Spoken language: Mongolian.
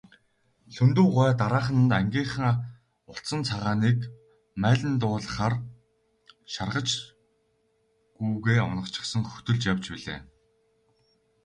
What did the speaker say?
Лхүндэв гуай дараахан нь ангийнхаа улцан цагааныг малиндуулахаар шаргач гүүгээ уначихсан хөтөлж явж билээ.